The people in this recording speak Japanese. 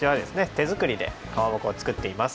てづくりでかまぼこを作っています。